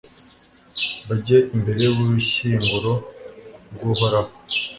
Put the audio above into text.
bajye imbere y'ubushyinguro bw'uhoraho